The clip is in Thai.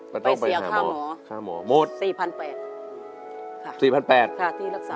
ไปเสียข้าหมอข้าหมอหมดสี่พันแปดค่ะสี่พันแปดค่ะที่รักษา